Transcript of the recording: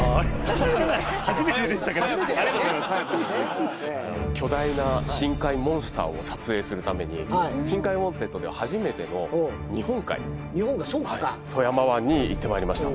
初めてだよねありがとうございます巨大な深海モンスターを撮影するために「深海ＷＡＮＴＥＤ」では初めての日本海日本海そっかはい富山湾に行ってまいりました